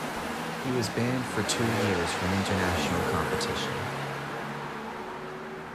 He was banned for two years from international competition.